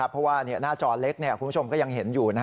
เพราะว่าหน้าจอเล็กคุณผู้ชมก็ยังเห็นอยู่